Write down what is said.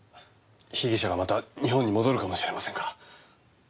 被疑者がまた日本に戻るかもしれませんから。